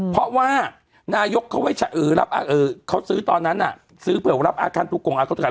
เพราะว่านายกเขาซื้อตอนนั้นน่ะซื้อเผลอรับอัตราทุกของอาคัตุกาล